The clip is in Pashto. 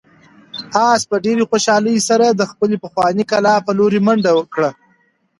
آس په ډېرې خوشحالۍ سره د خپلې پخوانۍ کلا په لور منډه کړه.